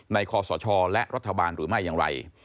คอสชและรัฐบาลหรือไม่อย่างไร